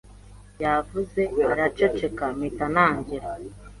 Yavuze araceceka mpita ntangira